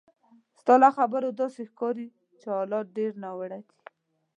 ستا له خبرو داسې ښکاري چې حالات ډېر ناوړه دي.